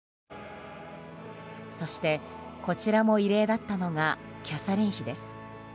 そして、こちらも異例だったのがキャサリン妃です。